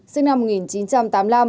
sinh năm một nghìn chín trăm tám mươi năm